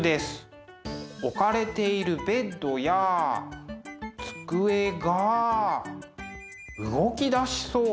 置かれているベッドや机が動きだしそうな。